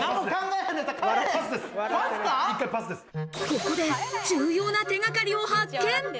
ここで重要な手がかりを発見。